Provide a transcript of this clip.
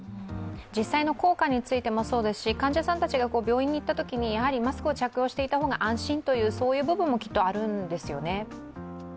実際の効果についてもそうですし、患者さんたちが病院に行ってもやはりマスクを着用していた方が安心という部分もあるんでしょうね。